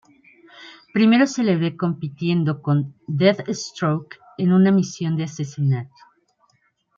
Primero se le ve compitiendo con Deathstroke en una misión de asesinato.